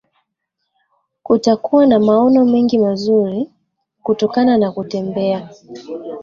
Kutakuwa na maono mengi mazuri kutokana na kutembea